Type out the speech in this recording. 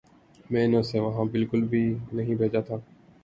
میں نے اسے وہاں بالکل بھی نہیں بھیجا تھا